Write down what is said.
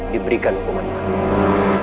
diberikan hukuman mati